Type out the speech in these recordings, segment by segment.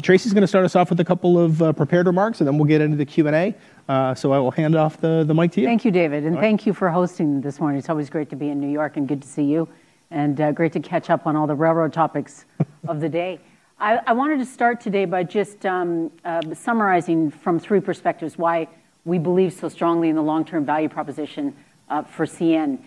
Tracy's going to start us off with a couple of prepared remarks, and then we'll get into the Q&A. I will hand off the mic to you. Thank you, David, and thank you for hosting this morning. It's always great to be in New York and good to see you, and great to catch up on all the railroad topics of the day. I wanted to start today by just summarizing from three perspectives why we believe so strongly in the long-term value proposition for CN.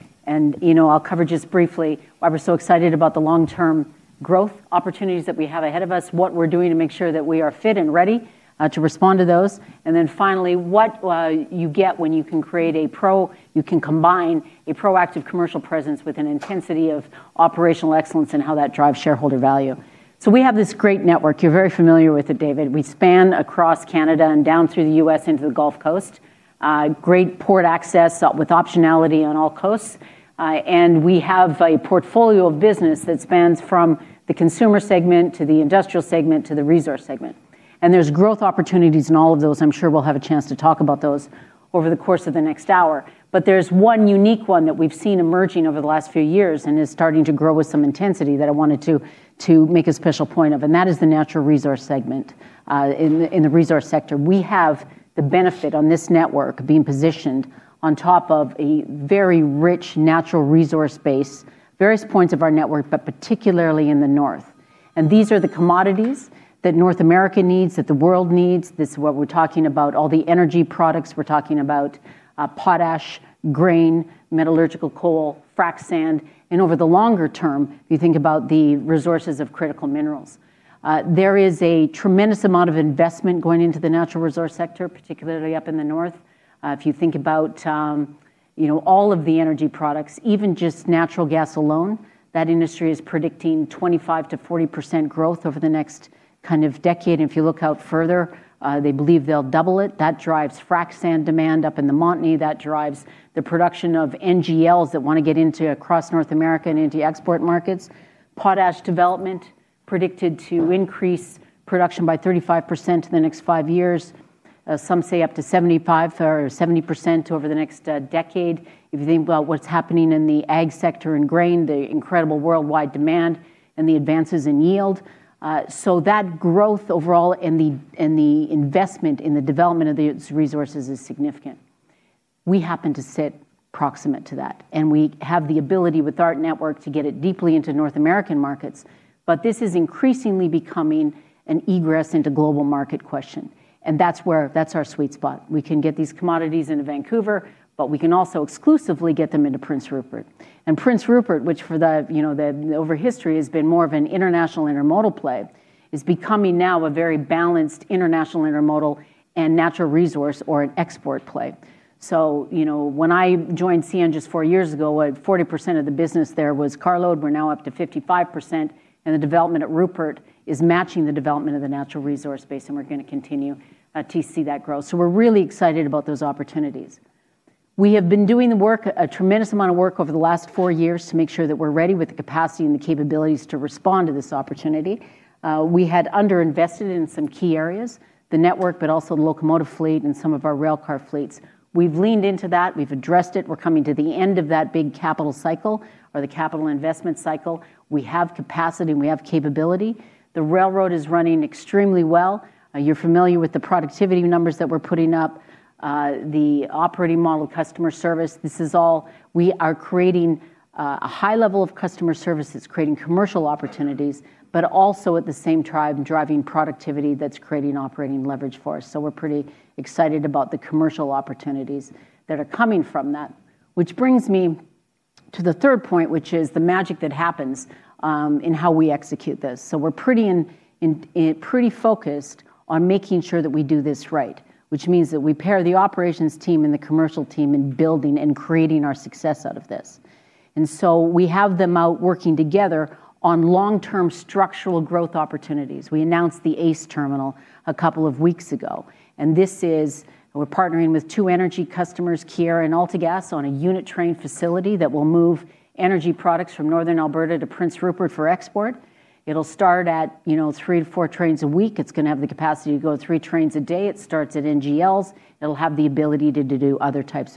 I'll cover just briefly why we're so excited about the long-term growth opportunities that we have ahead of us, what we're doing to make sure that we are fit and ready to respond to those, then finally, what you get when you can combine a proactive commercial presence with an intensity of operational excellence and how that drives shareholder value. We have this great network. You're very familiar with it, David. We span across Canada and down through the U.S. into the Gulf Coast. Great port access with optionality on all coasts. We have a portfolio of business that spans from the consumer segment to the industrial segment to the resource segment. There's growth opportunities in all of those. I'm sure we'll have a chance to talk about those over the course of the next hour. There's one unique one that we've seen emerging over the last few years and is starting to grow with some intensity that I wanted to make a special point of, and that is the natural resource segment. In the resource sector, we have the benefit on this network being positioned on top of a very rich natural resource base, various points of our network, but particularly in the north. These are the commodities that North America needs, that the world needs. This is what we're talking about, all the energy products. We're talking about potash, grain, metallurgical coal, frac sand. Over the longer term, you think about the resources of critical minerals. There is a tremendous amount of investment going into the natural resource sector, particularly up in the north. If you think about all of the energy products, even just natural gas alone, that industry is predicting 25%-40% growth over the next decade. If you look out further, they believe they'll double it. That drives frac sand demand up in the Montney. That drives the production of NGLs that want to get into across North America and into export markets. Potash development predicted to increase production by 35% in the next five years. Some say up to 75% or 70% over the next decade. If you think about what's happening in the ag sector and grain, the incredible worldwide demand and the advances in yield. That growth overall and the investment in the development of the resources is significant. We happen to sit proximate to that, and we have the ability with our network to get it deeply into North American markets, but this is increasingly becoming an egress into global market question, and that's our sweet spot. We can get these commodities into Vancouver, but we can also exclusively get them into Prince Rupert. Prince Rupert, which for the over history has been more of an international intermodal play, is becoming now a very balanced international intermodal and natural resource or an export play. When I joined CN just four years ago, 40% of the business there was carload. We're now up to 55%, and the development at Rupert is matching the development of the natural resource base, and we're going to continue to see that grow. We're really excited about those opportunities. We have been doing a tremendous amount of work over the last four years to make sure that we're ready with the capacity and the capabilities to respond to this opportunity. We had under-invested in some key areas, the network, but also the locomotive fleet and some of our railcar fleets. We've leaned into that. We've addressed it. We're coming to the end of that big capital cycle or the capital investment cycle. We have capacity, and we have capability. The railroad is running extremely well. You're familiar with the productivity numbers that we're putting up, the operating model, customer service. This is all we are creating a high level of customer service that's creating commercial opportunities, but also at the same time, driving productivity that's creating operating leverage for us. We're pretty excited about the commercial opportunities that are coming from that. This brings me to the third point, which is the magic that happens in how we execute this. We're pretty focused on making sure that we do this right, which means that we pair the operations team and the commercial team in building and creating our success out of this. We have them out working together on long-term structural growth opportunities. We announced the ACE Terminal a couple of weeks ago, and this is we're partnering with two energy customers, Keyera and AltaGas, on a unit train facility that will move energy products from northern Alberta to Prince Rupert for export. It'll start at three to four trains a week. It's going to have the capacity to go three trains a day. It starts at NGLs. It'll have the ability to do other types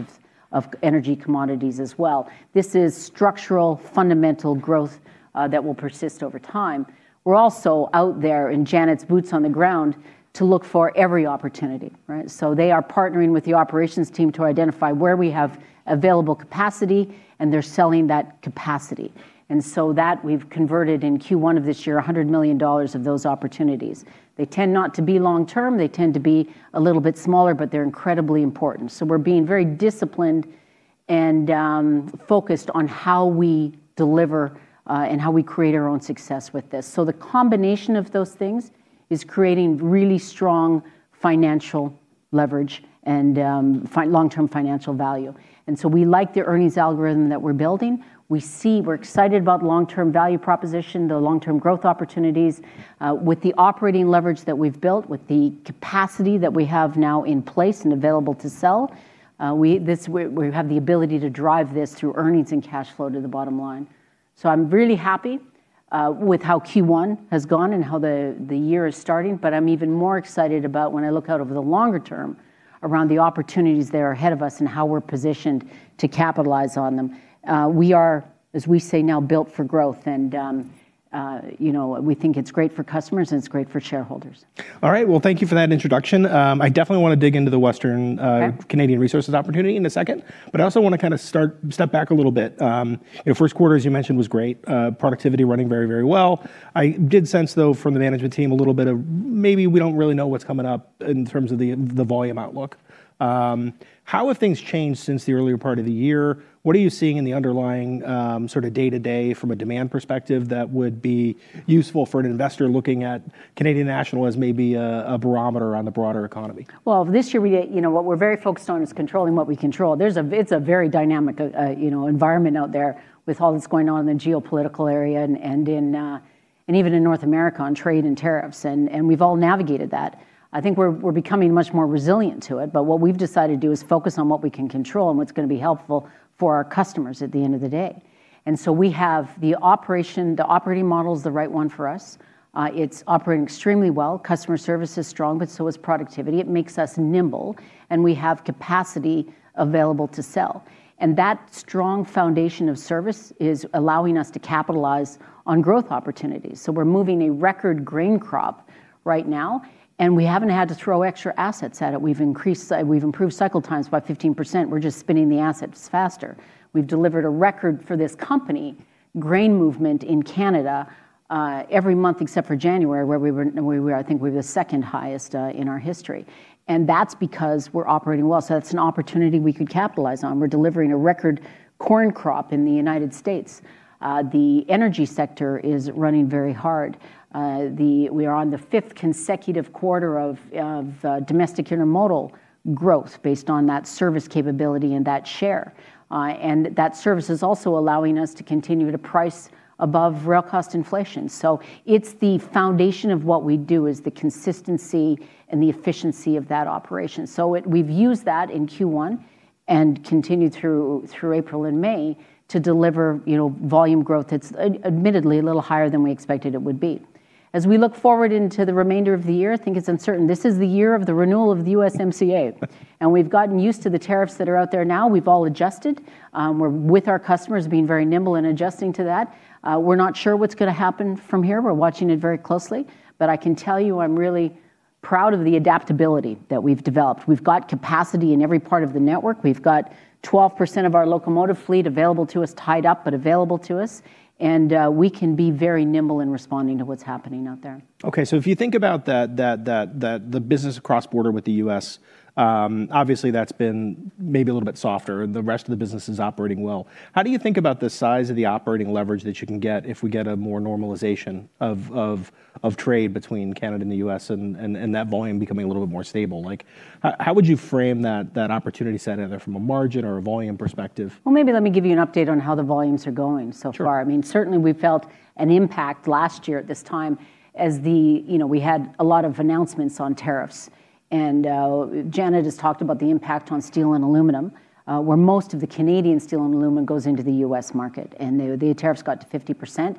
of energy commodities as well. This is structural, fundamental growth that will persist over time. We're also out there in Janet's boots on the ground to look for every opportunity. Right? They are partnering with the operations team to identify where we have available capacity, and they're selling that capacity. That we've converted in Q1 of this year, 100 million dollars of those opportunities. They tend not to be long-term. They tend to be a little bit smaller, but they're incredibly important. We're being very disciplined and focused on how we deliver and how we create our own success with this. The combination of those things is creating really strong financial leverage and long-term financial value. We like the earnings algorithm that we're building. We're excited about long-term value proposition, the long-term growth opportunities. With the operating leverage that we've built, with the capacity that we have now in place and available to sell, we have the ability to drive this through earnings and cash flow to the bottom line. I'm really happy with how Q1 has gone and how the year is starting, but I'm even more excited about when I look out over the longer term around the opportunities that are ahead of us and how we're positioned to capitalize on them. We are, as we say now, built for growth. We think it's great for customers and it's great for shareholders. All right. Well, thank you for that introduction. I definitely want to dig into the Western- Okay. Canadian resources opportunity in a second. I also want to step back a little bit. First quarter, as you mentioned, was great. Productivity running very well. I did sense, though, from the management team a little bit of maybe we don't really know what's coming up in terms of the volume outlook. How have things changed since the earlier part of the year? What are you seeing in the underlying day-to-day from a demand perspective that would be useful for an investor looking at Canadian National as maybe a barometer on the broader economy? Well, this year, what we're very focused on is controlling what we control. It's a very dynamic environment out there with all that's going on in the geopolitical area and even in North America on trade and tariffs. We've all navigated that. I think we're becoming much more resilient to it. What we've decided to do is focus on what we can control and what's going to be helpful for our customers at the end of the day. We have the operating model is the right one for us. It's operating extremely well. Customer service is strong, but so is productivity. It makes us nimble, and we have capacity available to sell. That strong foundation of service is allowing us to capitalize on growth opportunities. We're moving a record grain crop right now, and we haven't had to throw extra assets at it. We've improved cycle times by 15%. We're just spinning the assets faster. We've delivered a record for this company, grain movement in Canada, every month except for January, where I think we have the second highest in our history. That's because we're operating well. That's an opportunity we could capitalize on. We're delivering a record corn crop in the United States. The energy sector is running very hard. We are on the fifth consecutive quarter of domestic intermodal growth based on that service capability and that share. That service is also allowing us to continue to price above rail cost inflation. It's the foundation of what we do, is the consistency and the efficiency of that operation. We've used that in Q1 and continued through April and May to deliver volume growth that's admittedly a little higher than we expected it would be. As we look forward into the remainder of the year, I think it's uncertain. This is the year of the renewal of the USMCA. We've gotten used to the tariffs that are out there now. We've all adjusted with our customers, being very nimble and adjusting to that. We're not sure what's going to happen from here. We're watching it very closely. I can tell you I'm really proud of the adaptability that we've developed. We've got capacity in every part of the network. We've got 12% of our locomotive fleet available to us, tied up, but available to us, and we can be very nimble in responding to what's happening out there. Okay. If you think about the business cross-border with the U.S., obviously that's been maybe a little bit softer, and the rest of the business is operating well. How do you think about the size of the operating leverage that you can get if we get a more normalization of trade between Canada and the U.S. and that volume becoming a little bit more stable? How would you frame that opportunity set, either from a margin or a volume perspective? Well, maybe let me give you an update on how the volumes are going so far. Sure. Certainly, we felt an impact last year at this time as we had a lot of announcements on tariffs. Janet has talked about the impact on steel and aluminum, where most of the Canadian steel and aluminum goes into the U.S. market. The tariffs got to 50%,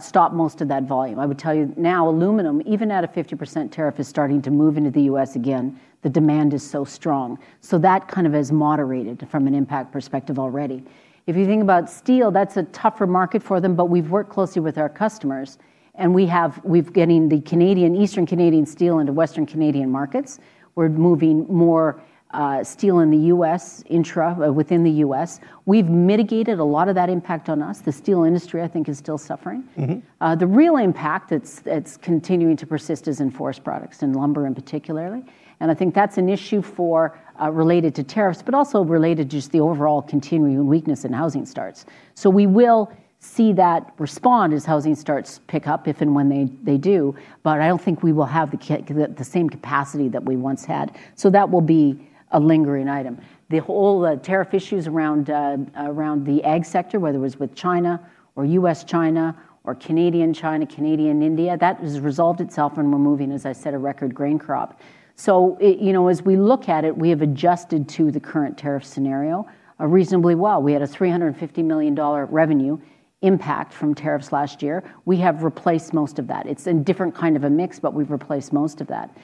stopped most of that volume. I would tell you now, aluminum, even at a 50% tariff, is starting to move into the U.S. again, the demand is so strong. That kind of has moderated from an impact perspective already. If you think about steel, that's a tougher market for them, but we've worked closely with our customers, and we've getting the Canadian, Eastern Canadian steel into Western Canadian markets. We're moving more steel in the U.S., intra, within the U.S. We've mitigated a lot of that impact on us. The steel industry, I think, is still suffering. The real impact that's continuing to persist is in forest products, in lumber in particularly. I think that's an issue related to tariffs, but also related to just the overall continuing weakness in housing starts. We will see that respond as housing starts pick up, if and when they do, but I don't think we will have the same capacity that we once had. That will be a lingering item. The whole tariff issues around the ag sector, whether it was with China or U.S., China or Canadian, China, Canadian, India, that has resolved itself and we're moving, as I said, a record grain crop. As we look at it, we have adjusted to the current tariff scenario reasonably well. We had a 350 million dollar revenue impact from tariffs last year. We have replaced most of that. It's a different kind of a mix, but we've replaced most of that.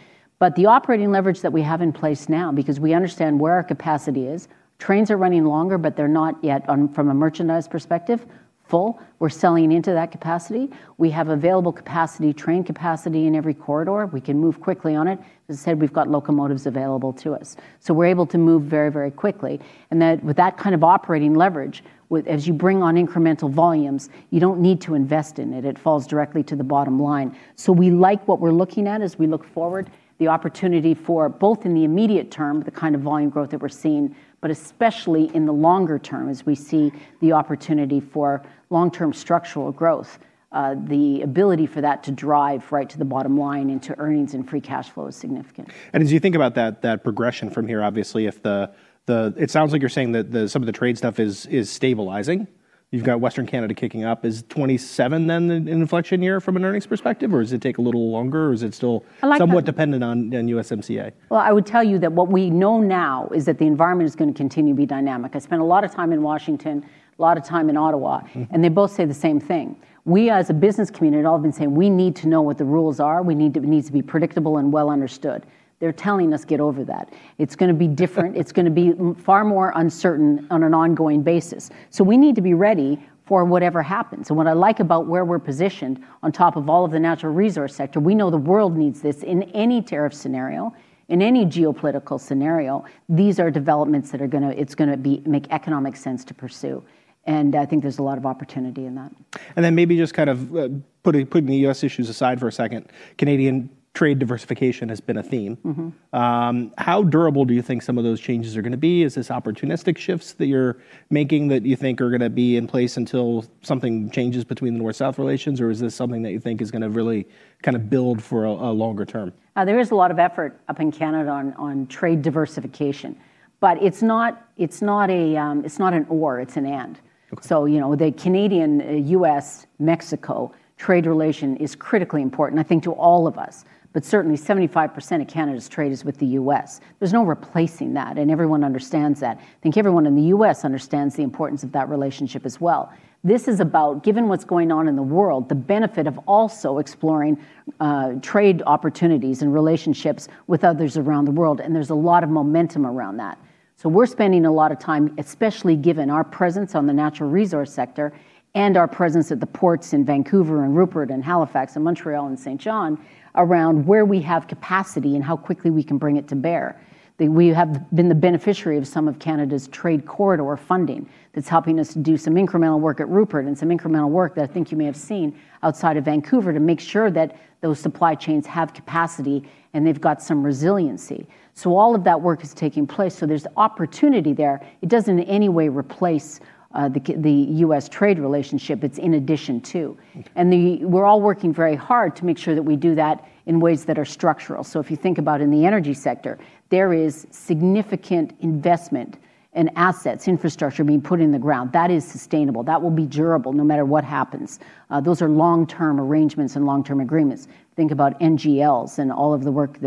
The operating leverage that we have in place now, because we understand where our capacity is, trains are running longer, but they're not yet, from a merchandise perspective, full. We're selling into that capacity. We have available capacity, train capacity in every corridor. We can move quickly on it. As I said, we've got locomotives available to us. We're able to move very quickly. With that kind of operating leverage, as you bring on incremental volumes, you don't need to invest in it. It falls directly to the bottom line. We like what we're looking at as we look forward, the opportunity for both in the immediate term, the kind of volume growth that we're seeing, but especially in the longer term as we see the opportunity for long-term structural growth. The ability for that to drive right to the bottom line into earnings and free cash flow is significant. As you think about that progression from here, obviously, it sounds like you're saying that some of the trade stuff is stabilizing. You've got Western Canada kicking up. Is 2027 then the inflection year from an earnings perspective, or does it take a little longer? I like- Somewhat dependent on USMCA? I would tell you that what we know now is that the environment is going to continue to be dynamic. I spent a lot of time in Washington, a lot of time in Ottawa. They both say the same thing. We, as a business community, have all been saying we need to know what the rules are. It needs to be predictable and well understood. They're telling us get over that. It's going to be different. It's going to be far more uncertain on an ongoing basis. We need to be ready for whatever happens. What I like about where we're positioned, on top of all of the natural resource sector, we know the world needs this. In any tariff scenario, in any geopolitical scenario, these are developments that it's going to make economic sense to pursue. I think there's a lot of opportunity in that. Maybe just kind of putting the U.S. issues aside for a second, Canadian trade diversification has been a theme. How durable do you think some of those changes are going to be? Is this opportunistic shifts that you're making that you think are going to be in place until something changes between the North-South relations? Is this something that you think is going to really kind of build for a longer term? There is a lot of effort up in Canada on trade diversification, but it's not an or, it's an and. Okay. The Canadian-U.S.-Mexico trade relation is critically important, I think, to all of us. Certainly 75% of Canada's trade is with the U.S. There's no replacing that, and everyone understands that. I think everyone in the U.S. understands the importance of that relationship as well. This is about, given what's going on in the world, the benefit of also exploring trade opportunities and relationships with others around the world, and there's a lot of momentum around that. We're spending a lot of time, especially given our presence on the natural resource sector and our presence at the ports in Vancouver and Rupert and Halifax and Montreal and Saint John, around where we have capacity and how quickly we can bring it to bear. We have been the beneficiary of some of Canada's trade corridor funding that is helping us do some incremental work at Rupert and some incremental work that I think you may have seen outside of Vancouver to make sure that those supply chains have capacity and they have got some resiliency. All of that work is taking place, so there is opportunity there. It does not in any way replace the U.S. trade relationship. It is in addition to. Okay. We're all working very hard to make sure that we do that in ways that are structural. If you think about in the energy sector, there is significant investment in assets, infrastructure being put in the ground. That is sustainable. That will be durable no matter what happens. Those are long-term arrangements and long-term agreements. Think about NGLs and all of the work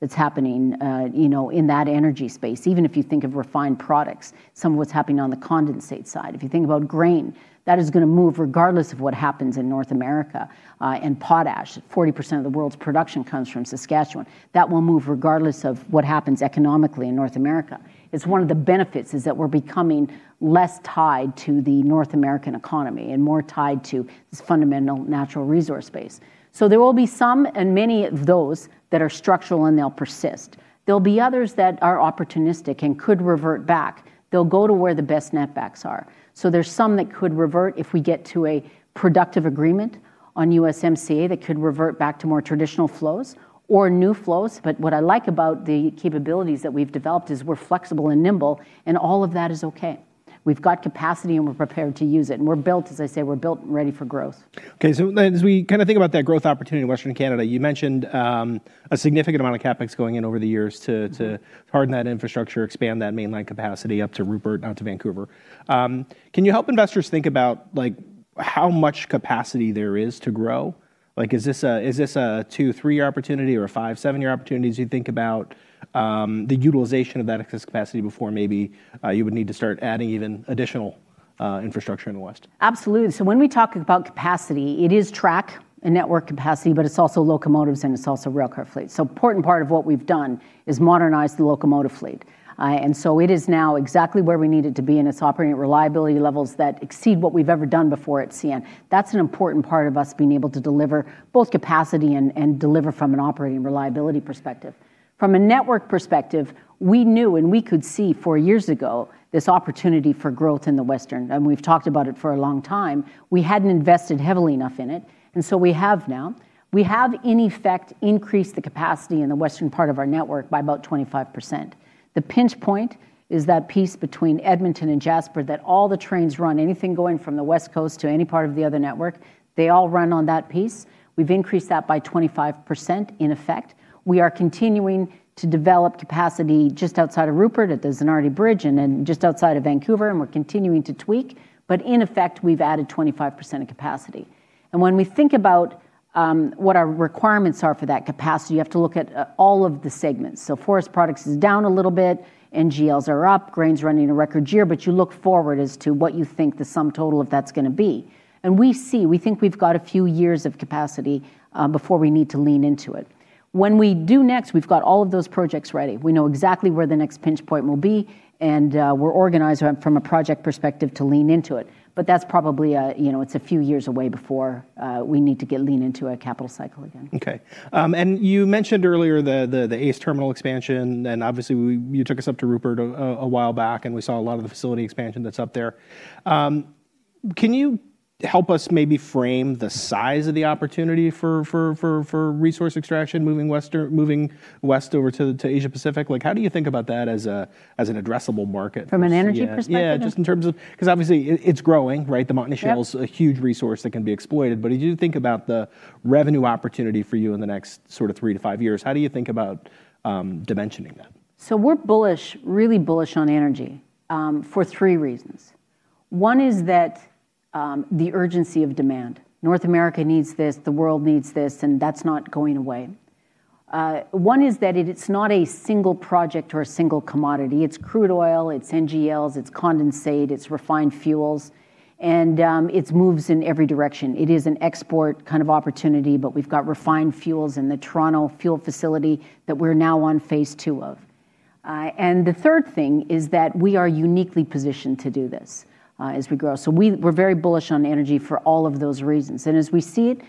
that's happening in that energy space. Even if you think of refined products, some of what's happening on the condensate side. If you think about grain, that is going to move regardless of what happens in North America. Potash, 40% of the world's production comes from Saskatchewan. That will move regardless of what happens economically in North America. It's one of the benefits is that we're becoming less tied to the North American economy and more tied to this fundamental natural resource base. There will be some and many of those that are structural, and they'll persist. There'll be others that are opportunistic and could revert back. They'll go to where the best netbacks are. There's some that could revert if we get to a productive agreement on USMCA, that could revert back to more traditional flows or new flows. What I like about the capabilities that we've developed is we're flexible and nimble, and all of that is okay. We've got capacity, and we're prepared to use it, and we're built, as I say, we're built ready for growth. Okay. As we kind of think about that growth opportunity in Western Canada, you mentioned a significant amount of CapEx going in over the years. Harden that infrastructure, expand that mainline capacity up to Rupert, out to Vancouver. Can you help investors think about how much capacity there is to grow? Is this a two, three-year opportunity or a five, seven-year opportunity as you think about the utilization of that excess capacity before maybe you would need to start adding even additional infrastructure in the west? Absolutely. When we talk about capacity, it is track and network capacity, but it's also locomotives and it's also railcar fleet. An important part of what we've done is modernize the locomotive fleet. It is now exactly where we need it to be, and it's operating at reliability levels that exceed what we've ever done before at CN. That's an important part of us being able to deliver both capacity and deliver from an operating reliability perspective. From a network perspective, we knew and we could see four years ago this opportunity for growth in the western, and we've talked about it for a long time. We hadn't invested heavily enough in it, and so we have now. We have, in effect, increased the capacity in the western part of our network by about 25%. The pinch point is that piece between Edmonton and Jasper that all the trains run, anything going from the West Coast to any part of the other network, they all run on that piece. We've increased that by 25% in effect. We are continuing to develop capacity just outside of Rupert at the Zanardi Bridge and then just outside of Vancouver, and we're continuing to tweak. In effect, we've added 25% of capacity. When we think about what our requirements are for that capacity, you have to look at all of the segments. Forest products is down a little bit. NGLs are up. Grain's running a record year. You look forward as to what you think the sum total of that's going to be. We see, we think we've got a few years of capacity before we need to lean into it. When we do next, we've got all of those projects ready. We know exactly where the next pinch point will be, and we're organized from a project perspective to lean into it. That's probably a few years away before we need to lean into a capital cycle again. Okay. You mentioned earlier the ACE Terminal expansion, and obviously you took us up to Rupert a while back, and we saw a lot of the facility expansion that's up there. Can you help us maybe frame the size of the opportunity for resource extraction moving west over to Asia Pacific? How do you think about that as an addressable market for CN? From an energy perspective? Yeah, just in terms of, because obviously it's growing, right? Sure. The Montney is a huge resource that can be exploited. As you think about the revenue opportunity for you in the next sort of three to five years, how do you think about dimensioning that? We're really bullish on energy, for three reasons. One is the urgency of demand. North America needs this, the world needs this, and that's not going away. One is that it's not a single project or a single commodity. It's crude oil, it's NGLs, it's condensate, it's refined fuels, and it moves in every direction. It is an export kind of opportunity, but we've got refined fuels in the Toronto fuel facility that we're now on phase II of. The third thing is that we are uniquely positioned to do this as we grow. We're very bullish on energy for all of those reasons. As we see it,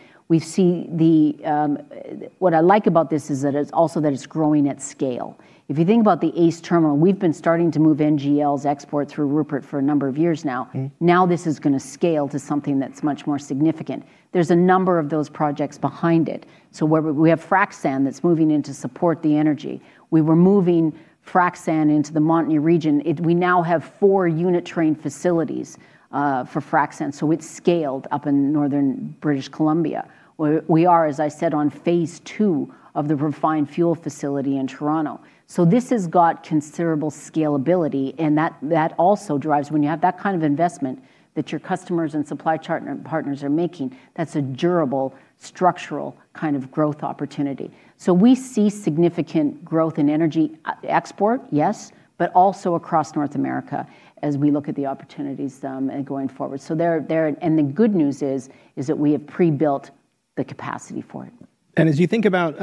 what I like about this is also that it's growing at scale. If you think about the ACE Terminal, we've been starting to move NGLs exports through Rupert for a number of years now. Okay. This is going to scale to something that's much more significant. There's a number of those projects behind it. Where we have frac sand that's moving in to support the energy. We were moving frac sand into the Montney region. We now have four unit train facilities for frac sand. It's scaled up in northern British Columbia, where we are, as I said, on phase II of the refined fuel facility in Toronto. This has got considerable scalability, and that also drives when you have that kind of investment that your customers and supply partners are making, that's a durable, structural kind of growth opportunity. We see significant growth in energy export, yes, but also across North America as we look at the opportunities going forward. The good news is that we have pre-built the capacity for it. As you think about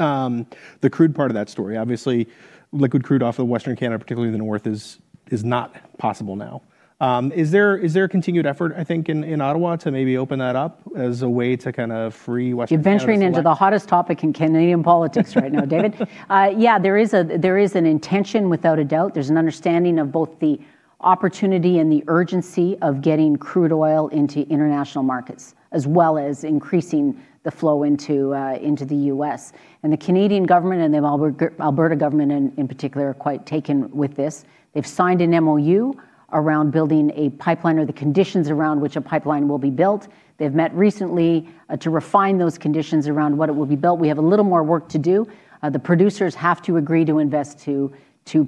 the crude part of that story, obviously liquid crude off of Western Canada, particularly the north, is not possible now. Is there a continued effort, I think, in Ottawa to maybe open that up as a way to kind of free Western Canadian? You're venturing into the hottest topic in Canadian politics right now, David. Yeah, there is an intention, without a doubt. There's an understanding of both the opportunity and the urgency of getting crude oil into international markets, as well as increasing the flow into the U.S. The Canadian government, and the Alberta government in particular, are quite taken with this. They've signed an MOU around building a pipeline, or the conditions around which a pipeline will be built. They've met recently to refine those conditions around what it will be built. We have a little more work to do. The producers have to agree to invest to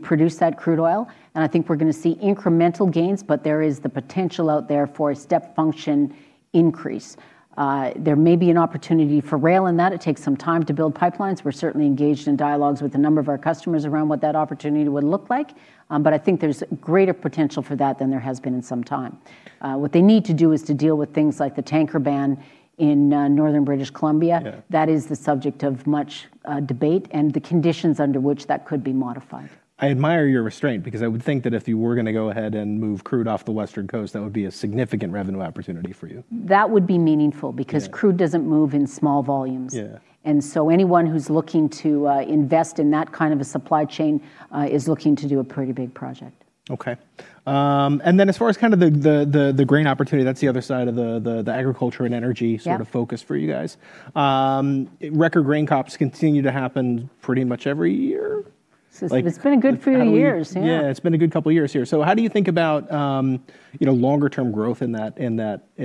produce that crude oil, and I think we're going to see incremental gains, but there is the potential out there for a step function increase. There may be an opportunity for rail in that. It takes some time to build pipelines. We're certainly engaged in dialogues with a number of our customers around what that opportunity would look like. I think there's greater potential for that than there has been in some time. What they need to do is to deal with things like the tanker ban in northern British Columbia. Yeah. That is the subject of much debate and the conditions under which that could be modified. I admire your restraint because I would think that if you were going to go ahead and move crude off the western coast, that would be a significant revenue opportunity for you. That would be meaningful. Yeah. Because crude doesn't move in small volumes. Yeah. Anyone who's looking to invest in that kind of a supply chain, is looking to do a pretty big project. Okay. As far as the grain opportunity, that's the other side of the agriculture and energy. Yeah. Sort of focus for you guys. Record grain crops continue to happen pretty much every year. It's been a good few years. Yeah. Yeah. It's been a good couple of years here. How do you think about longer-term growth in that?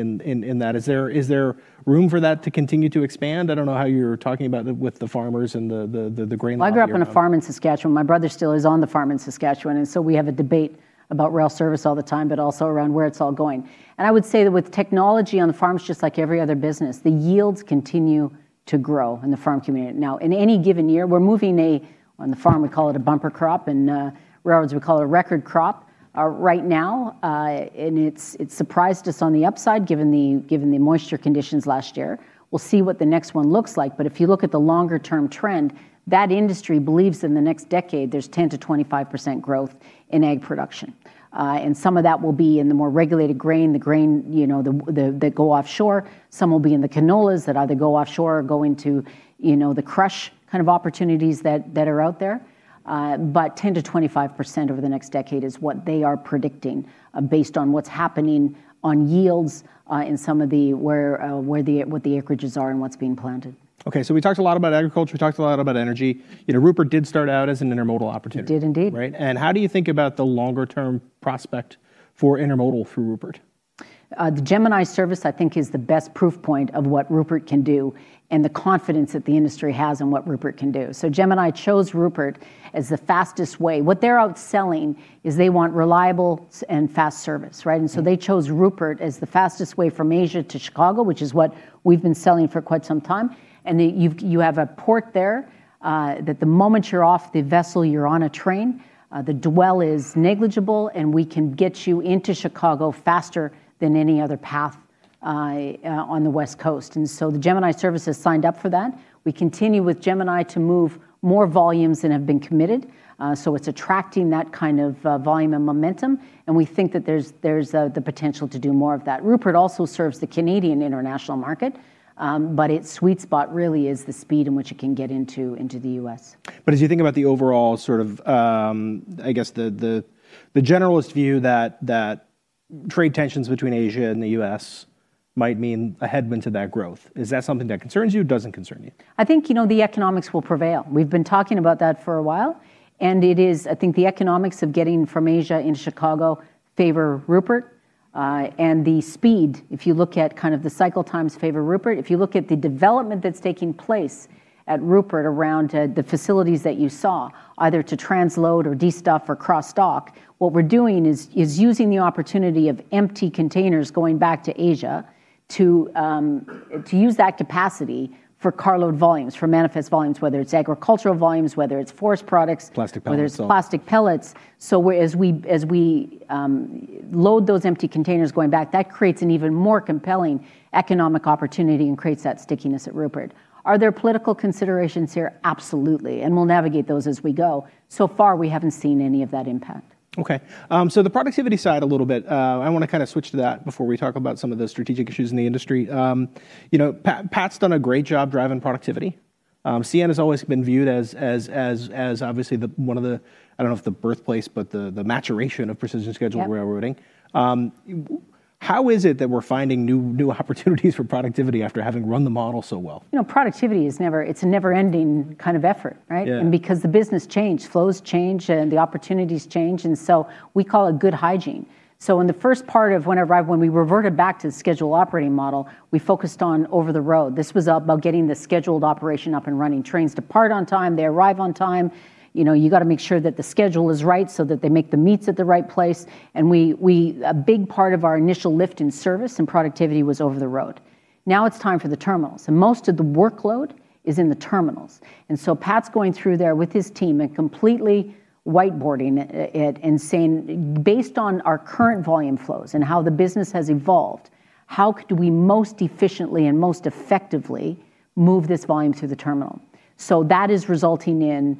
Is there room for that to continue to expand? I don't know how you're talking about it with the farmers and the grain line that you're on. Well, I grew up on a farm in Saskatchewan. My brother still is on the farm in Saskatchewan, we have a debate about rail service all the time, around where it's all going. I would say that with technology on the farms, just like every other business, the yields continue to grow in the farm community. Now, in any given year, we're moving, on the farm we call it a bumper crop, in railroads we call it a record crop, right now, and it's surprised us on the upside given the moisture conditions last year. We'll see what the next one looks like. If you look at the longer-term trend, that industry believes in the next decade there's 10%-25% growth in ag production. Some of that will be in the more regulated grain, the grain that go offshore. Some will be in the canola that either go offshore or go into the crush kind of opportunities that are out there. 10%-25% over the next decade is what they are predicting based on what's happening on yields in some of what the acreages are and what's being planted. Okay. We talked a lot about agriculture, we talked a lot about energy. Rupert did start out as an intermodal opportunity. It did indeed. Right. How do you think about the longer-term prospect for intermodal for Rupert? The Gemini service I think is the best proof point of what Rupert can do and the confidence that the industry has in what Rupert can do. Gemini chose Rupert as the fastest way. What they're out selling is they want reliable and fast service, right? They chose Rupert as the fastest way from Asia to Chicago, which is what we've been selling for quite some time. You have a port there, that the moment you're off the vessel, you're on a train. The dwell is negligible, we can get you into Chicago faster than any other path on the West Coast. The Gemini service has signed up for that. We continue with Gemini to move more volumes than have been committed. It's attracting that kind of volume and momentum, and we think that there's the potential to do more of that. Rupert also serves the Canadian international market, but its sweet spot really is the speed in which it can get into the U.S. As you think about the overall generalist view that trade tensions between Asia and the U.S. might mean a headwind to that growth. Is that something that concerns you, doesn't concern you? I think the economics will prevail. We've been talking about that for a while, and I think the economics of getting from Asia into Chicago favor Rupert. The speed, if you look at the cycle times favor Rupert, if you look at the development that's taking place at Rupert around the facilities that you saw, either to transload or destuff or cross-dock. What we're doing is using the opportunity of empty containers going back to Asia, to use that capacity for carload volumes, for manifest volumes, whether it's agricultural volumes, whether it's forest products. Plastic pellets. Whether it's plastic pellets. As we load those empty containers going back, that creates an even more compelling economic opportunity and creates that stickiness at Rupert. Are there political considerations here? Absolutely. We'll navigate those as we go. So far, we haven't seen any of that impact. The productivity side a little bit, I want to switch to that before we talk about some of the strategic issues in the industry. Pat's done a great job driving productivity. CN has always been viewed as obviously one of the, I don't know if the birthplace, but the maturation of Precision Scheduled Railroading. Yep. How is it that we're finding new opportunities for productivity after having run the model so well? Productivity, it's a never-ending kind of effort, right? Yeah. Because the business change, flows change and the opportunities change, we call it good hygiene. In the first part of when I arrived, when we reverted back to the schedule operating model, we focused on over the road. This was about getting the scheduled operation up and running. Trains depart on time, they arrive on time. You've got to make sure that the schedule is right so that they make the meets at the right place. A big part of our initial lift in service and productivity was over the road. Now it's time for the terminals, and most of the workload is in the terminals. Pat's going through there with his team and completely whiteboarding it and saying, "Based on our current volume flows and how the business has evolved, how do we most efficiently and most effectively move this volume to the terminal?" That is resulting in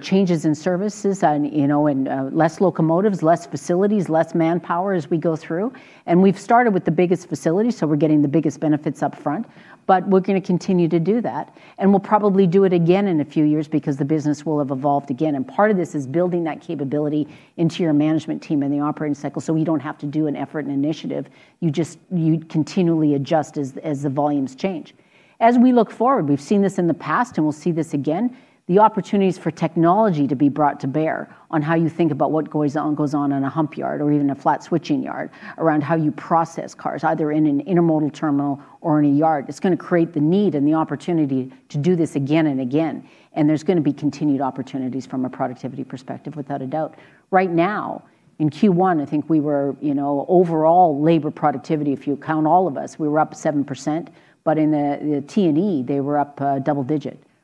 changes in services, and less locomotives, less facilities, less manpower as we go through. We've started with the biggest facilities, so we're getting the biggest benefits up front. We're going to continue to do that. We'll probably do it again in a few years because the business will have evolved again. Part of this is building that capability into your management team and the operating cycle, so we don't have to do an effort, an initiative. You continually adjust as the volumes change. As we look forward, we've seen this in the past, and we'll see this again, the opportunities for technology to be brought to bear on how you think about what goes on on a hump yard or even a flat switching yard, around how you process cars, either in an intermodal terminal or in a yard. It's going to create the need and the opportunity to do this again and again. There's going to be continued opportunities from a productivity perspective, without a doubt. Right now, in Q1, I think we were, overall labor productivity, if you count all of us, we were up 7%. In the T&E, they were up double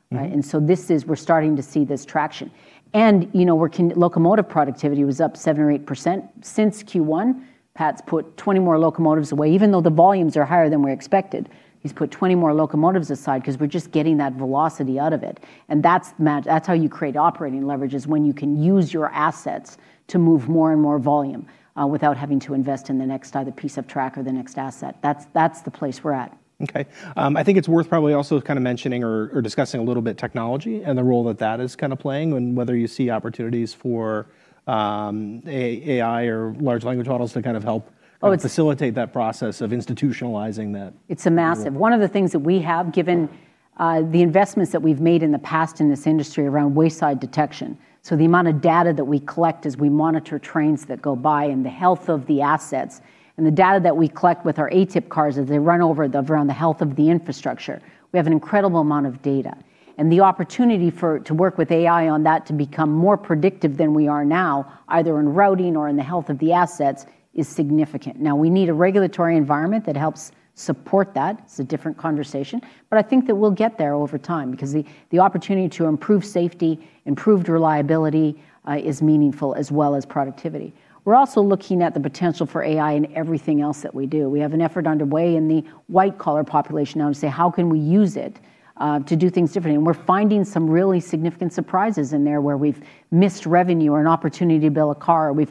digit, right? We're starting to see this traction. Locomotive productivity was up 7% or 8%. Since Q1, Pat's put 20 more locomotives away. Even though the volumes are higher than we expected, he's put 20 more locomotives aside because we're just getting that velocity out of it. That's how you create operating leverage, is when you can use your assets to move more and more volume without having to invest in the next either piece of track or the next asset. That's the place we're at. Okay. I think it's worth probably also kind of mentioning or discussing a little bit technology and the role that that is kind of playing, and whether you see opportunities for AI or large language models to kind of help. Oh. Facilitate that process of institutionalizing that. It's massive. One of the things that we have, given the investments that we've made in the past in this industry around wayside detection, the amount of data that we collect as we monitor trains that go by and the health of the assets, and the data that we collect with our ATIP cars as they run over around the health of the infrastructure. We have an incredible amount of data. The opportunity to work with AI on that to become more predictive than we are now, either in routing or in the health of the assets, is significant. We need a regulatory environment that helps support that. It's a different conversation. I think that we'll get there over time because the opportunity to improve safety, improved reliability, is meaningful as well as productivity. We're also looking at the potential for AI in everything else that we do. We have an effort underway in the white collar population now to say, "How can we use it to do things differently?" We're finding some really significant surprises in there where we've missed revenue or an opportunity to bill a car. We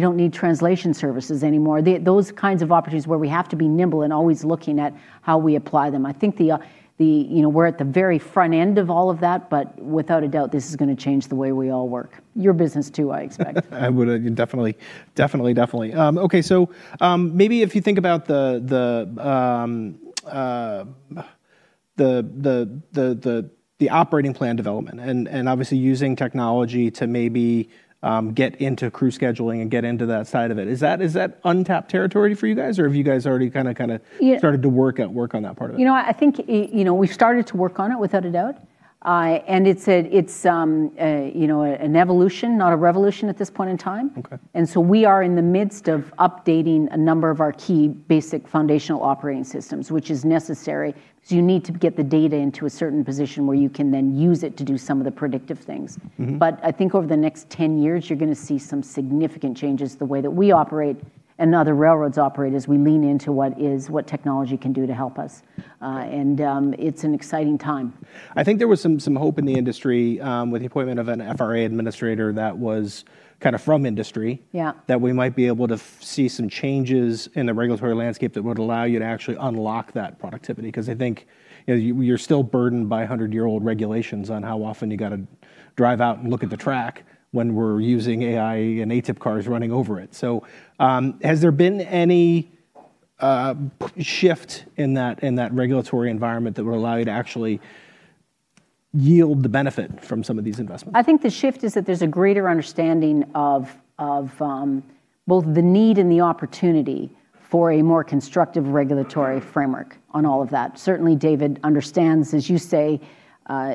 don't need translation services anymore. Those kinds of opportunities where we have to be nimble and always looking at how we apply them. I think we're at the very front end of all of that, without a doubt, this is going to change the way we all work. Your business, too, I expect. Definitely. Okay, maybe if you think about the operating plan development and obviously using technology to maybe get into crew scheduling and get into that side of it. Is that untapped territory for you guys, or have you guys already? Yeah. Started to work on that part of it? I think we've started to work on it, without a doubt. It's an evolution, not a revolution at this point in time. Okay. We are in the midst of updating a number of our key basic foundational operating systems, which is necessary because you need to get the data into a certain position where you can then use it to do some of the predictive things. I think over the next 10 years, you're going to see some significant changes to the way that we operate and other railroads operate as we lean into what technology can do to help us. Okay. It's an exciting time. I think there was some hope in the industry, with the appointment of an FRA administrator that was kind of from industry. Yeah. That we might be able to see some changes in the regulatory landscape that would allow you to actually unlock that productivity. I think you're still burdened by 100-year-old regulations on how often you got to drive out and look at the track when we're using AI and ATIP cars running over it. Has there been any shift in that regulatory environment that would allow you to actually yield the benefit from some of these investments? I think the shift is that there's a greater understanding of both the need and the opportunity for a more constructive regulatory framework on all of that. Certainly, David understands, as you say,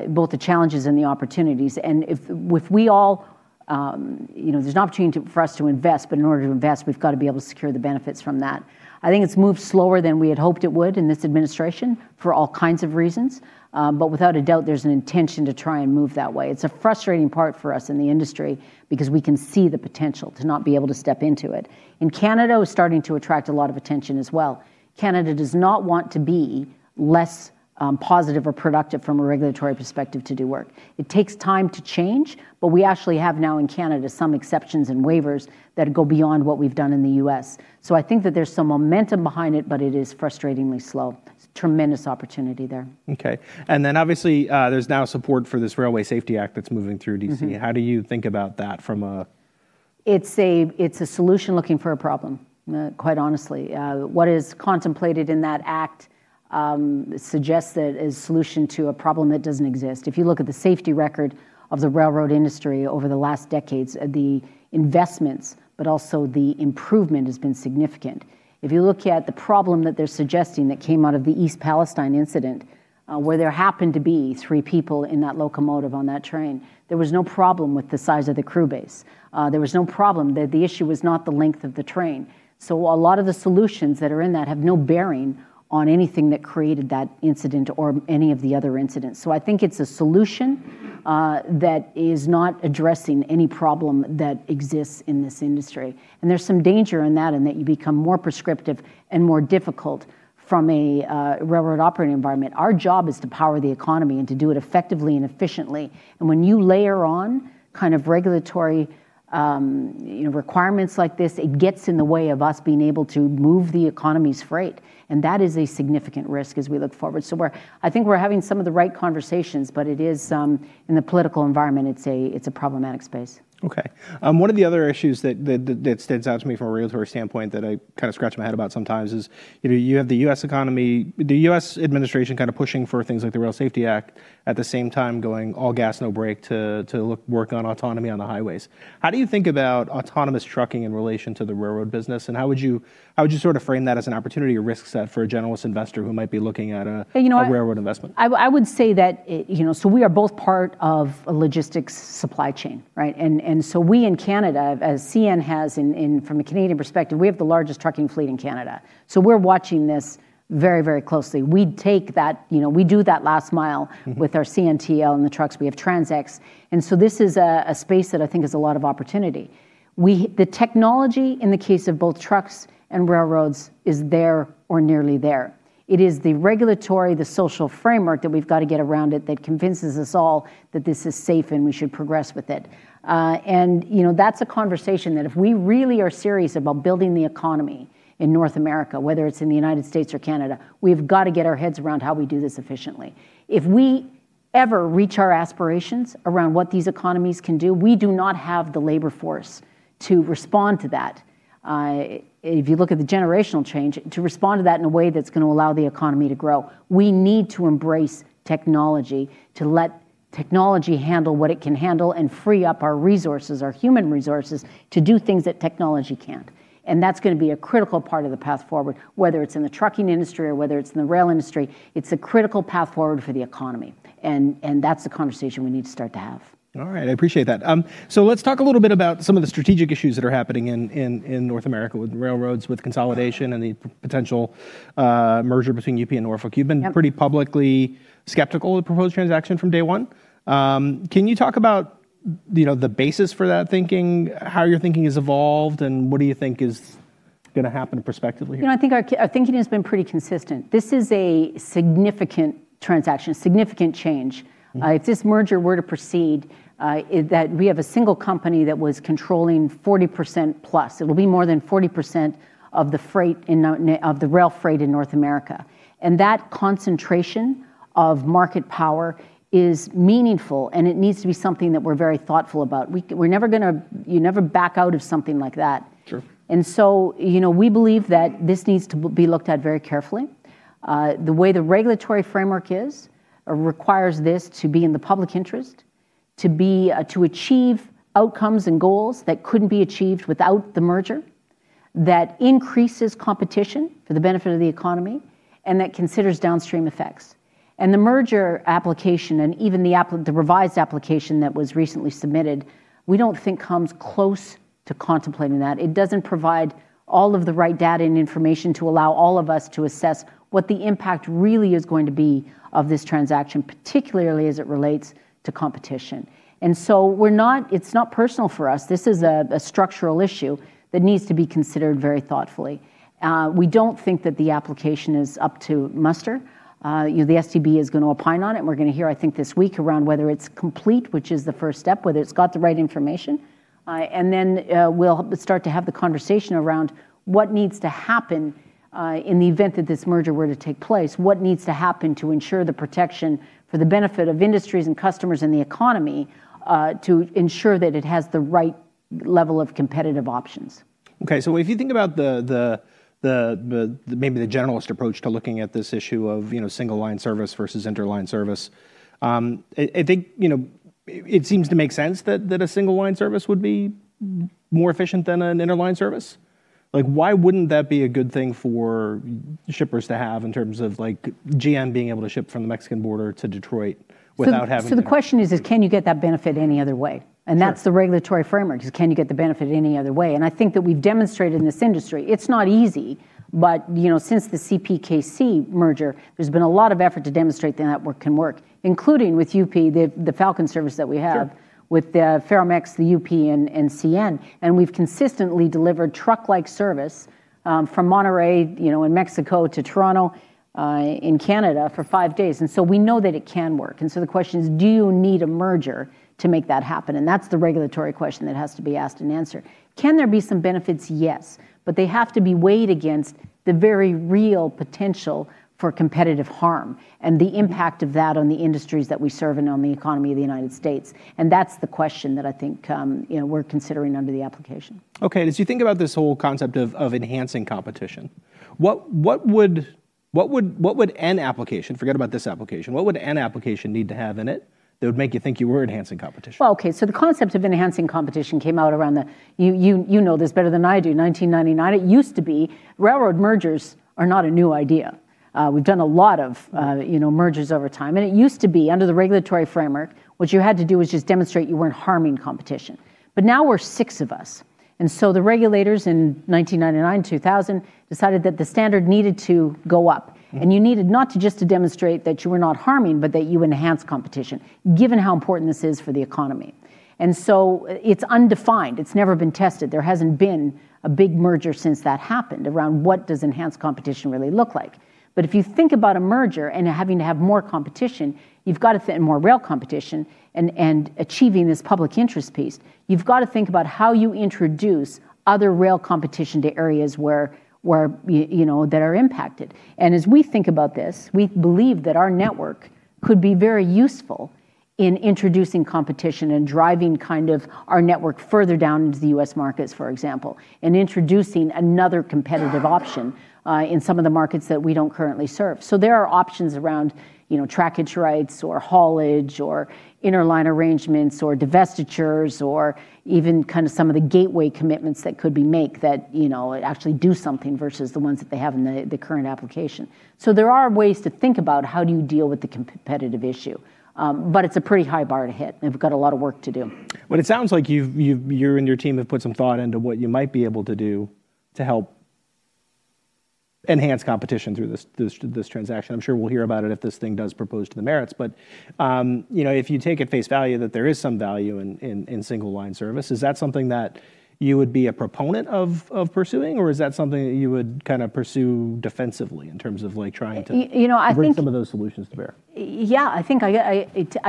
both the challenges and the opportunities. There's an opportunity for us to invest, but in order to invest, we've got to be able to secure the benefits from that. I think it's moved slower than we had hoped it would in this administration, for all kinds of reasons. Without a doubt, there's an intention to try and move that way. It's a frustrating part for us in the industry because we can see the potential to not be able to step into it. Canada was starting to attract a lot of attention as well. Canada does not want to be less positive or productive from a regulatory perspective to do work. It takes time to change. We actually have now in Canada some exceptions and waivers that go beyond what we've done in the U.S. I think that there's some momentum behind it. It is frustratingly slow. There's tremendous opportunity there. Okay. Obviously, there's now support for this Railway Safety Act that's moving through D.C. How do you think about that? It's a solution looking for a problem, quite honestly. What is contemplated in that act suggests that a solution to a problem that doesn't exist. If you look at the safety record of the railroad industry over the last decades, the investments, but also the improvement has been significant. If you look at the problem that they're suggesting that came out of the East Palestine incident, where there happened to be three people in that locomotive on that train, there was no problem with the size of the crew base. There was no problem. The issue was not the length of the train. A lot of the solutions that are in that have no bearing on anything that created that incident or any of the other incidents. I think it's a solution that is not addressing any problem that exists in this industry. There's some danger in that, in that you become more prescriptive and more difficult from a railroad operating environment. Our job is to power the economy and to do it effectively and efficiently. When you layer on regulatory requirements like this, it gets in the way of us being able to move the economy's freight, and that is a significant risk as we look forward. I think we're having some of the right conversations, but in the political environment, it's a problematic space. Okay. One of the other issues that stands out to me from a regulatory standpoint that I kind of scratch my head about sometimes is you have the U.S. economy, the U.S. administration kind of pushing for things like the Railway Safety Act, at the same time going all gas, no brake to work on autonomy on the highways. How do you think about autonomous trucking in relation to the railroad business, and how would you sort of frame that as an opportunity or risk set for a generalist investor who might be looking at a- You know what? Railroad investment? I would say that we are both part of a logistics supply chain, right? We in Canada, as CN has from a Canadian perspective, we have the largest trucking fleet in Canada, so we're watching this very closely. We do that last mile. With our CNTL and the trucks. We have TransX. This is a space that I think is a lot of opportunity. The technology, in the case of both trucks and railroads, is there or nearly there. It is the regulatory, the social framework that we've got to get around it that convinces us all that this is safe and we should progress with it. That's a conversation that if we really are serious about building the economy in North America, whether it's in the United States or Canada, we've got to get our heads around how we do this efficiently. If we ever reach our aspirations around what these economies can do, we do not have the labor force to respond to that. If you look at the generational change, to respond to that in a way that's going to allow the economy to grow. We need to embrace technology, to let technology handle what it can handle and free up our resources, our human resources, to do things that technology can't. That's going to be a critical part of the path forward, whether it's in the trucking industry or whether it's in the rail industry. It's a critical path forward for the economy, and that's the conversation we need to start to have. All right. I appreciate that. Let's talk a little bit about some of the strategic issues that are happening in North America with railroads, with consolidation, and the potential merger between UP and Norfolk [Southern]. Yep. You've been pretty publicly skeptical of the proposed transaction from day one. Can you talk about the basis for that thinking, how your thinking has evolved, and what do you think is going to happen perspectively here? Our thinking has been pretty consistent. This is a significant transaction, a significant change. If this merger were to proceed, that we have a single company that was controlling 40%+. It'll be more than 40% of the rail freight in North America. That concentration of market power is meaningful, and it needs to be something that we're very thoughtful about. You never back out of something like that. Sure. We believe that this needs to be looked at very carefully. The way the regulatory framework is requires this to be in the public interest, to achieve outcomes and goals that couldn't be achieved without the merger, that increases competition for the benefit of the economy, and that considers downstream effects. The merger application, and even the revised application that was recently submitted, we don't think comes close to contemplating that. It doesn't provide all of the right data and information to allow all of us to assess what the impact really is going to be of this transaction, particularly as it relates to competition. It's not personal for us. This is a structural issue that needs to be considered very thoughtfully. We don't think that the application is up to muster. The STB is going to opine on it, and we're going to hear, I think, this week around whether it's complete, which is the first step, whether it's got the right information. Then we'll start to have the conversation around what needs to happen in the event that this merger were to take place. What needs to happen to ensure the protection for the benefit of industries and customers and the economy, to ensure that it has the right level of competitive options. Okay. If you think about maybe the generalist approach to looking at this issue of single-line service versus interline service, I think it seems to make sense that a single-line service would be more efficient than an interline service. Why wouldn't that be a good thing for shippers to have in terms of GM being able to ship from the Mexican border to Detroit without having to? The question is, can you get that benefit any other way? Sure. That's the regulatory framework, is can you get the benefit any other way? And I think that we've demonstrated in this industry, it's not easy, but since the CPKC merger, there's been a lot of effort to demonstrate the network can work, including with UP, the Falcon service that we have. Sure. With the Ferromex, the UP, and CN, we've consistently delivered truck-like service, from Monterrey in Mexico to Toronto in Canada for five days. We know that it can work. The question is, do you need a merger to make that happen? That's the regulatory question that has to be asked and answered. Can there be some benefits? Yes, but they have to be weighed against the very real potential for competitive harm and the impact of that on the industries that we serve and on the economy of the United States. That's the question that I think we're considering under the application. Okay. As you think about this whole concept of enhancing competition, what would an application, forget about this application, what would an application need to have in it that would make you think you were enhancing competition? Well, okay, the concept of enhancing competition came out around the, you know this better than I do, 1999. It used to be railroad mergers are not a new idea. We've done a lot of mergers over time, and it used to be under the regulatory framework, what you had to do was just demonstrate you weren't harming competition. Now we're six of us, the regulators in 1999, 2000, decided that the standard needed to go up. You needed not just to demonstrate that you were not harming, but that you enhance competition, given how important this is for the economy. It's undefined. It's never been tested. There hasn't been a big merger since that happened around what does enhanced competition really look like. If you think about a merger and having to have more competition, you've got to fit in more rail competition and achieving this public interest piece. You've got to think about how you introduce other rail competition to areas that are impacted. As we think about this, we believe that our network could be very useful in introducing competition and driving our network further down into the U.S. markets, for example, and introducing another competitive option in some of the markets that we don't currently serve. There are options around trackage rights or haulage or interline arrangements or divestitures or even some of the gateway commitments that could be made that actually do something versus the ones that they have in the current application. There are ways to think about how do you deal with the competitive issue. It's a pretty high bar to hit, and we've got a lot of work to do. It sounds like you and your team have put some thought into what you might be able to do to help enhance competition through this transaction. I'm sure we'll hear about it if this thing does propose to the merits. If you take at face value that there is some value in single-line service, is that something that you would be a proponent of pursuing, or is that something that you would kind of pursue defensively? You know. Bring some of those solutions to bear? Yeah, I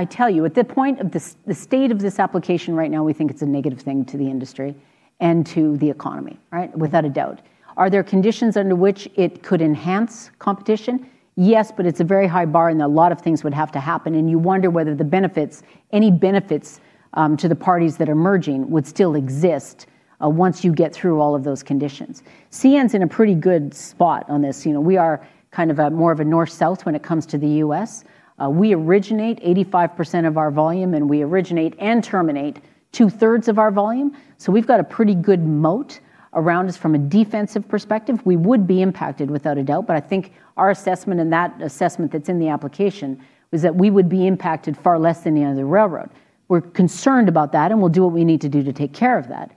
tell you, at the state of this application right now, we think it's a negative thing to the industry and to the economy. Right? Without a doubt. Are there conditions under which it could enhance competition? Yes, but it's a very high bar, and a lot of things would have to happen, and you wonder whether any benefits to the parties that are merging would still exist once you get through all of those conditions. CN's in a pretty good spot on this. We are kind of more of a north-south when it comes to the U.S. We originate 85% of our volume, and we originate and terminate 2/3 of our volume. We've got a pretty good moat around us from a defensive perspective. We would be impacted without a doubt, but I think our assessment and that assessment that's in the application was that we would be impacted far less than any other railroad. We're concerned about that, and we'll do what we need to do to take care of that.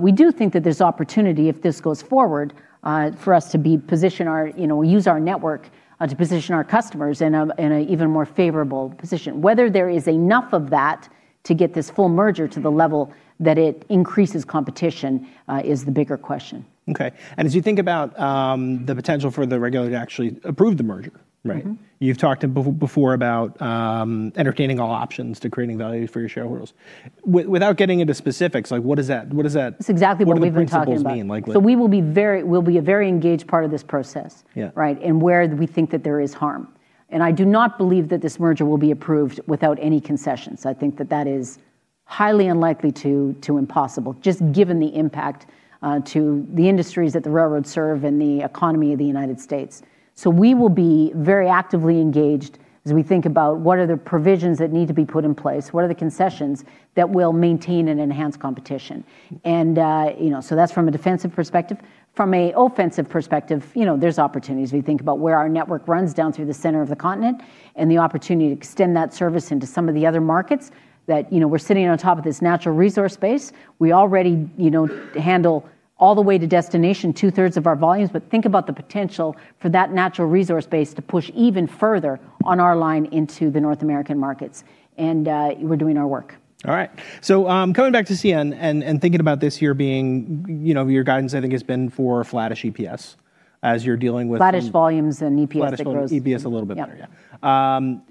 We do think that there's opportunity if this goes forward, for us to use our network to position our customers in an even more favorable position. Whether there is enough of that to get this full merger to the level that it increases competition, is the bigger question. Okay. As you think about the potential for the regulator to actually approve the merger, right? You've talked before about entertaining all options to creating value for your shareholders. Without getting into specifics, what do the principles mean? That's exactly what we've been talking about. We'll be a very engaged part of this process. Yeah. Right. Where we think that there is harm. I do not believe that this merger will be approved without any concessions. I think that that is highly unlikely to impossible, just given the impact to the industries that the railroads serve and the economy of the United States. We will be very actively engaged as we think about what are the provisions that need to be put in place, what are the concessions that will maintain and enhance competition. That's from a defensive perspective. From an offensive perspective, there's opportunities. We think about where our network runs down through the center of the continent and the opportunity to extend that service into some of the other markets that we're sitting on top of this natural resource base. We already handle all the way to destination 2/3 of our volumes. Think about the potential for that natural resource base to push even further on our line into the North American markets. We're doing our work. All right. Coming back to CN and thinking about this year being, your guidance, I think, has been for flattish EPS as you're dealing with- Flattish volumes and EPS that grows. Flattish volumes, EPS a little bit better, yeah. Yep.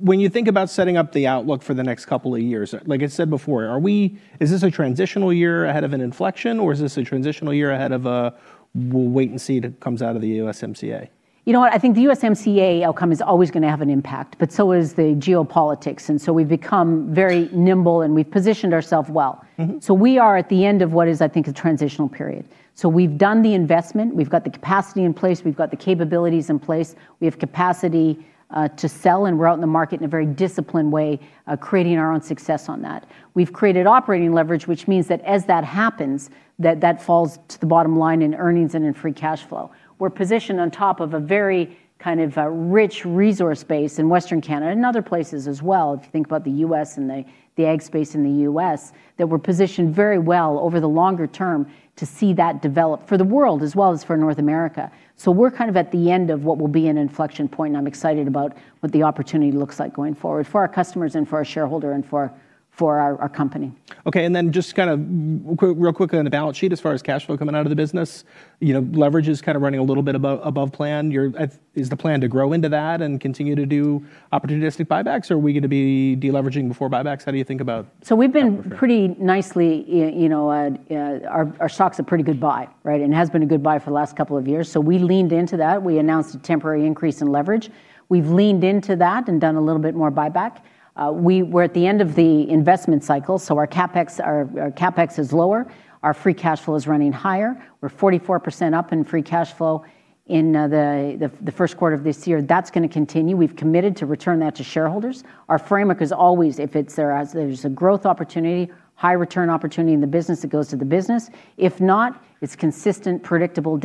When you think about setting up the outlook for the next couple of years, like I said before, is this a transitional year ahead of an inflection, or is this a transitional year ahead of a, we'll wait and see that comes out of the USMCA? You know what? I think the USMCA outcome is always going to have an impact, but so is the geopolitics, and so we've become very nimble and we've positioned ourself well. We are at the end of what is, I think, a transitional period. We've done the investment, we've got the capacity in place, we've got the capabilities in place. We have capacity to sell, and we're out in the market in a very disciplined way, creating our own success on that. We've created operating leverage, which means that as that happens, that that falls to the bottom line in earnings and in free cash flow. We're positioned on top of a very kind of rich resource base in Western Canada and other places as well, if you think about the U.S. and the ag space in the U.S., that we're positioned very well over the longer term to see that develop for the world as well as for North America. We're kind of at the end of what will be an inflection point, and I'm excited about what the opportunity looks like going forward for our customers and for our shareholder and for our company. Okay, just kind of real quickly on the balance sheet as far as cash flow coming out of the business. Leverage is kind of running a little bit above plan. Is the plan to grow into that and continue to do opportunistic buybacks, or are we going to be de-leveraging before buybacks? How do you think about that moving forward? We've done pretty nicely. Our stock's a pretty good buy, right? It has been a good buy for the last couple of years, so we leaned into that. We announced a temporary increase in leverage. We've leaned into that and done a little bit more buyback. We're at the end of the investment cycle, so our CapEx is lower, our free cash flow is running higher. We're 44% up in free cash flow in the first quarter of this year. That's going to continue. We've committed to return that to shareholders. Our framework is always, if there's a growth opportunity, high return opportunity in the business, it goes to the business. If not, it's consistent, predictable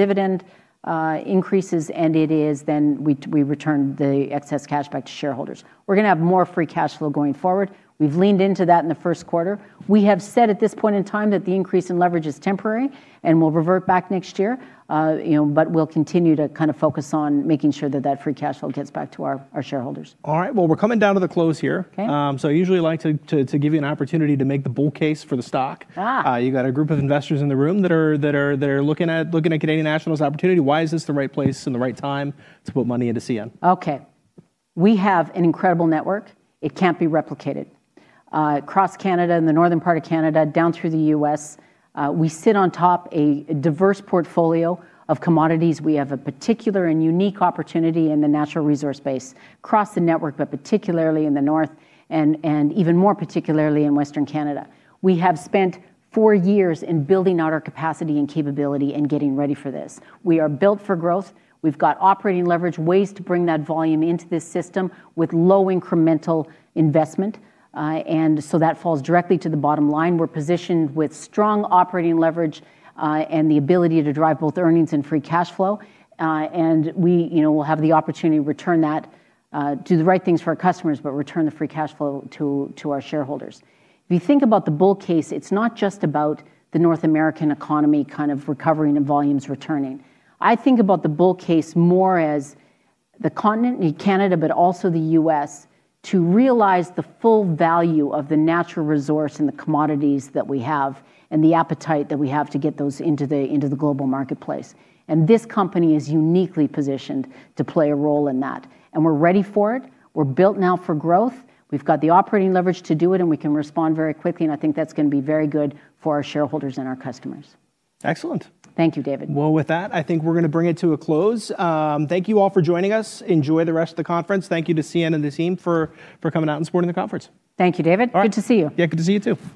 dividend increases, and it is then we return the excess cash back to shareholders. We're going to have more free cash flow going forward. We've leaned into that in the first quarter. We have said at this point in time that the increase in leverage is temporary, and we'll revert back next year, but we'll continue to kind of focus on making sure that that free cash flow gets back to our shareholders. All right. Well, we're coming down to the close here. Okay. I usually like to give you an opportunity to make the bull case for the stock. You've got a group of investors in the room that are looking at Canadian National's opportunity. Why is this the right place and the right time to put money into CN? Okay. We have an incredible network. It can't be replicated. Across Canada, in the northern part of Canada, down through the U.S., we sit on top a diverse portfolio of commodities. We have a particular and unique opportunity in the natural resource base across the network, but particularly in the north and even more particularly in western Canada. We have spent four years in building out our capacity and capability and getting ready for this. We are built for growth. We've got operating leverage, ways to bring that volume into this system with low incremental investment. That falls directly to the bottom line. We're positioned with strong operating leverage, and the ability to drive both earnings and free cash flow. We will have the opportunity to do the right things for our customers, but return the free cash flow to our shareholders. If you think about the bull case, it's not just about the North American economy kind of recovering and volumes returning. I think about the bull case more as the continent, Canada, but also the U.S., to realize the full value of the natural resource and the commodities that we have and the appetite that we have to get those into the global marketplace. This company is uniquely positioned to play a role in that. We're ready for it. We're built now for growth. We've got the operating leverage to do it, and we can respond very quickly, and I think that's going to be very good for our shareholders and our customers. Excellent. Thank you, David. With that, I think we're going to bring it to a close. Thank you all for joining us. Enjoy the rest of the conference. Thank you to CN and the team for coming out and supporting the conference. Thank you, David. All right. Good to see you. Yeah, good to see you too.